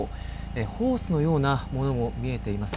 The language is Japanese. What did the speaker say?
ホースのようなものも見えています。